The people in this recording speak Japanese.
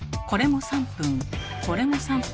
これも３分。